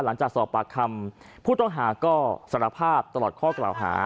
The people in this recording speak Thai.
หลังจากสอบปากคำผู้ต้องหาก็สารภาพตลอดข้อกล่าวหา